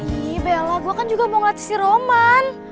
ih bella gue kan juga mau ngeliat istri roman